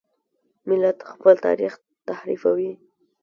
ملت خپل تاریخ تحریفوي.